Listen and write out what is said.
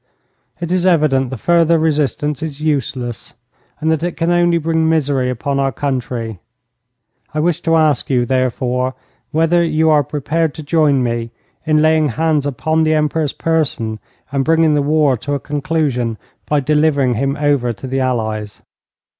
It is evident that further resistance is useless, and that it can only bring misery upon our country. I wish to ask you, therefore, whether you are prepared to join me in laying hands upon the Emperor's person, and bringing the war to a conclusion by delivering him over to the allies?'